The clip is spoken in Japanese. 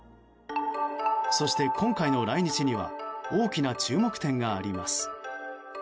そして、今回の来日には大きな注目点があります。